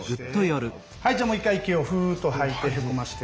はいじゃあもう一回息をふっと吐いてへこまして。